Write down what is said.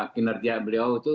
kinerja beliau itu